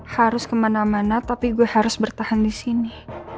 harus kemana mana tapi gue harus bertahan disini